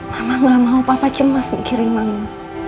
mama gak mau papa cemas mikirin mau